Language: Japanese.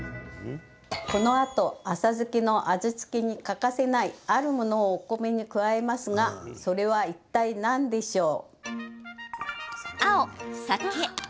このあとあさづけの味付けに欠かせないあるものをお米に加えますがそれはいったい何でしょう？